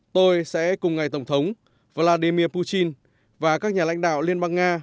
tôi sẽ cùng ngày tổng thống vladimir putin và các nhà lãnh đạo liên bang nga